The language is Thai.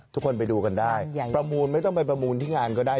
ทุกคนไปดูกันได้ประมูลไม่ต้องไปประมูลที่งานก็ได้